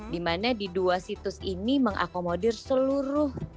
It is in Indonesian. dimana di dua situs ini mengakomodir seluruh